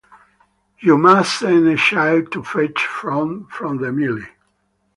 You must send a child to fetch froth from the mill.